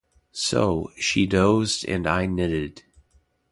So, she dozed and I knitted.